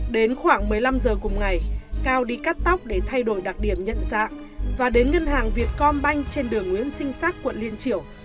đến khoảng một mươi năm h cùng ngày cao đi cắt tóc để thay đổi đặc điểm nhận dạng và đến ngân hàng vietcom banh trên đường nguyễn sinh xác quận liên triểu